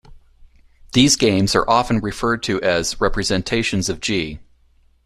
These games are often referred to as "representations of G".